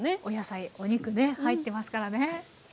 お野菜お肉ね入ってますからね。